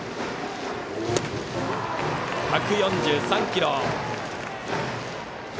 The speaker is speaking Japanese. １４３キロ。